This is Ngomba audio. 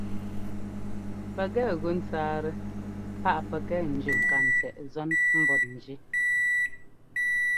Pɛkɛ gʉ ńtsáatɛ páꞌ pɛkɛ ńjʉ́ ŋkatsɛꞌ zɔ́n mbɔtnjí.